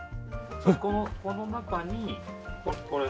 この中にこれ全部。